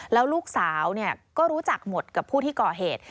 แล้วลูกสาวก็รู้จักหมดกับผู้ที่ก่อเหตุ